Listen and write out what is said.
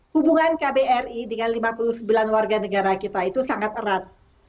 hubungan kbri dengan lima puluh sembilan warga negara kita itu sangat erat